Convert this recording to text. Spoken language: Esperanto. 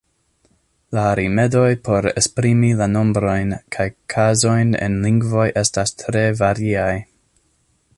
La rimedoj por esprimi la nombrojn kaj kazojn en lingvoj estas tre variaj.